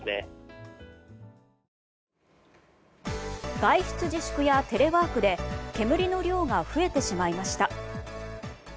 外出自粛やテレワークで煙の量が増えてしまいました。